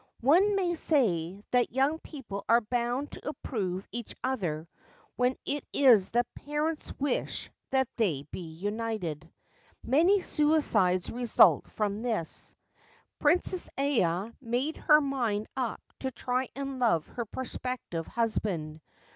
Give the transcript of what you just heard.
One may say that young people are bound to approve each other when 291 Ancient Tales and Folklore of Japan it is the parents' wish that they be united. Many suicides result from this. Princess Aya made her mind up to try and love her prospective husband.